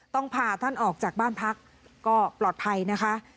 พาท่านออกจากบ้านพักก็ปลอดภัยนะคะ